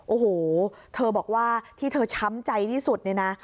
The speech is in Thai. โอ้โหเธอบอกว่าที่เธอช้ำใจที่สุดเนี่ยนะ